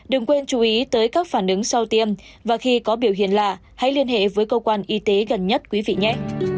đừng quên chú ý tới các phản ứng sau tiêm và khi có biểu hiện lạ hãy liên hệ với cơ quan y tế gần nhất quý vị nhẹ